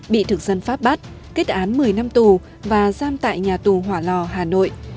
bị thực dân pháp bắt kết án một mươi năm tù và giam tại nhà tù hỏa lò hà nội